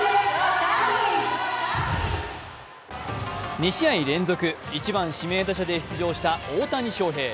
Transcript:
２試合連続、１番・指名打者で出場した大谷翔平。